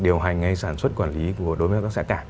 điều hành hay sản xuất quản lý đối với các xã cả